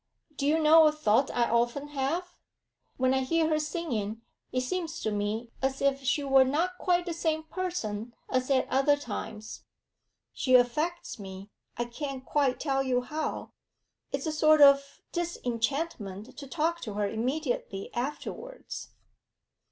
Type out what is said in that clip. Do you know a thought I often have? When I hear her singing it seems to me as if she were not quite the same person as at other times; she affects me, I can't quite tell you how; it's a sort of disenchantment to talk to her immediately afterwards.'